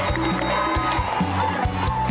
ได้ลูกได้ลูก